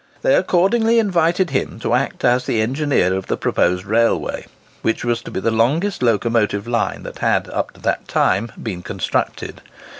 They accordingly invited him to act as the engineer of the proposed railway, which was to be the longest locomotive line that had, up to that time, been constructed.